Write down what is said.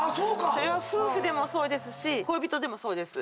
それは夫婦でもそうですし恋人でもそうです。